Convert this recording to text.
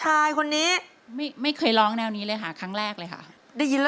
หลายหักเลวหักเจ้าหัวสาหาสาหรับสาหาร